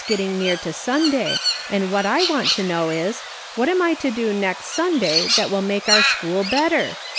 getting near to Sunday, and what I want to know is: What am I to do next Sunday that will make our school better?